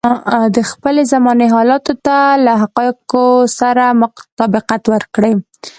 د خپلې زمانې حالاتو ته له حقايقو سره مطابقت ورکړي.